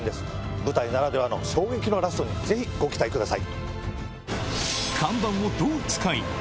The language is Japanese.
舞台ならではの衝撃のラストにぜひご期待ください。